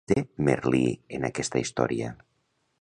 Quin paper té, Merlí, en aquesta història?